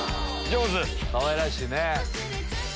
かわいらしいね。